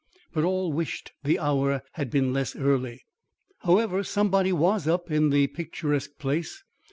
But all wished the hour had been less early. However, somebody was up in the picturesque place.